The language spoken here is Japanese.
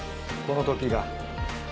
この時が。